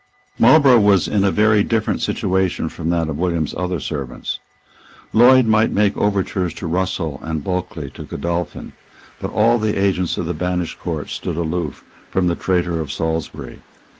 Marlborough was in a very different situation from that of William's other servants. Lloyd might make overtures to Russell, and Bulkeley to Godolphin. But all the agents of the banished Court stood aloof from the traitor of Salisbury.